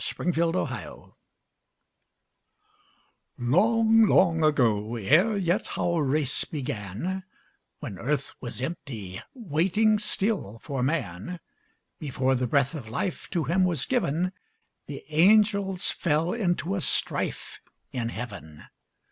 A SERVIAN LEGEND Long, long ago, ere yet our race began, When earth was empty, waiting still for man, Before the breath of life to him was given The angels fell into a strife in heaven.